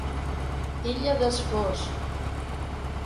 Ilha das Flores